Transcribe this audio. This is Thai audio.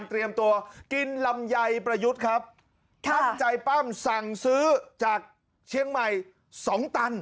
เตรียมตัวกินลำไยประยุทธ์ครับตั้งใจปั้มสั่งซื้อจากเชียงใหม่สองตัน